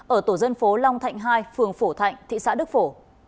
ở tổ dân phố long thạnh hai phường phổ thạnh thị xã đức phổ